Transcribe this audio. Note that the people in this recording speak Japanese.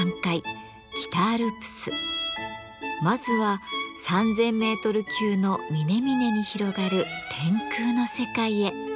まずは３，０００メートル級の峰々に広がる天空の世界へ。